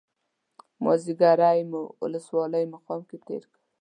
مازیګری مو ولسوالۍ مقام کې تېر کړ.